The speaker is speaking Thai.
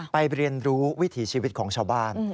เรียนรู้วิถีชีวิตของชาวบ้าน